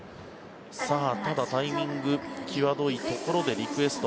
ただ、タイミング際どいところでリクエスト。